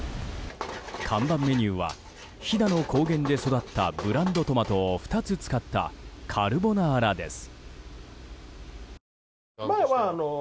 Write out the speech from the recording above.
看板メニューは飛騨の高原で育ったブランドトマトを２つ使ったカルボナーラです。